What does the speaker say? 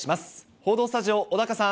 報道スタジオ、小高さん。